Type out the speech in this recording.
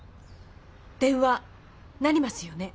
電話鳴りますよね？